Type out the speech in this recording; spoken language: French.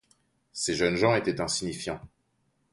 Ces jeunes gens étaient insignifiants.